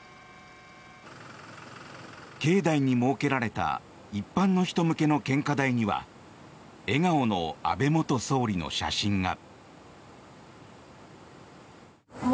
境内に設けられた一般の人向けの献花台には笑顔の安倍元総理の写真が。